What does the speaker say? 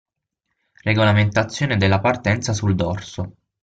Regolamentazione della partenza sul dorso.